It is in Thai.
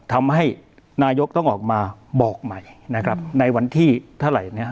ทำให้นายกต้องออกมาบอกใหม่นะครับในวันที่เท่าไหร่เนี่ย